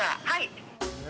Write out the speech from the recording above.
はい。